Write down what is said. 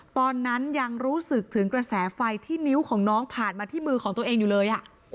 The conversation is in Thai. ตอนนั้นยังรู้สึกถึงกระแสไฟที่นิ้วของน้องผ่านมาที่มือของตัวเองอยู่เลย